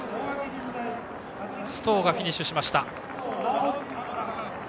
ストウがフィニッシュしました。